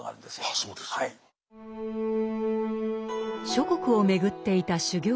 諸国を巡っていた修行僧。